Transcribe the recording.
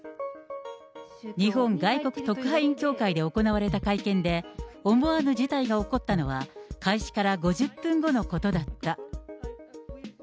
日本外国特派員協会で行われた会見で、思わぬ事態が起こったのは、開始から５０分後のことだった。